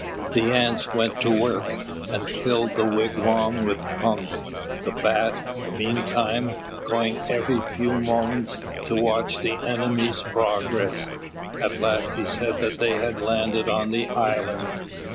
The Ants went to work and filled the wigwam with punk, the Bat, meantime, going every few moments to watch the enemy's progress. At last he said that they had landed on the island.